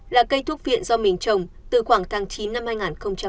là cây thúc viện do mình trồng từ khoảng tháng chín năm hai nghìn hai mươi ba